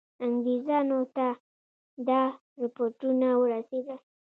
انګرېزانو ته دا رپوټونه ورسېدل.